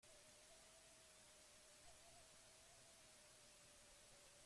Sistema publikoan ezin da D eredua eskaini.